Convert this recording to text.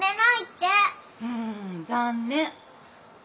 うん残念。